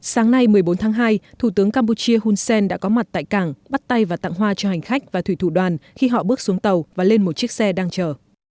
sáng nay một mươi bốn tháng hai thủ tướng campuchia hun sen đã có mặt tại cảng bắt tay và tặng hoa cho hành khách và thủy thủ đoàn khi họ bước xuống tàu và lên một chiếc xe đang chở